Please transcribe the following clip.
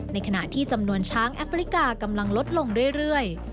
ในขณะที่จำนวนช้างแอฟริกากำลังลดลงเรื่อย